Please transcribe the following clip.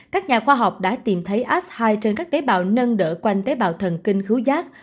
các nhà khoa học đã tìm thấy ast hai trên các tế bào nâng đỡ quanh tế bào thần kinh khứu giác